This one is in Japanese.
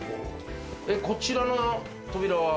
こちらの扉は？